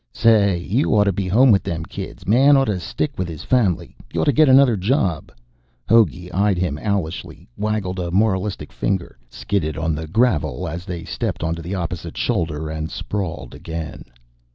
"Say, you oughta be home with them kids. Man oughta stick with his family. You oughta get another job." Hogey eyed him owlishly, waggled a moralistic finger, skidded on the gravel as they stepped onto the opposite shoulder, and sprawled again.